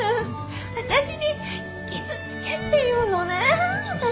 私に傷つけっていうのね。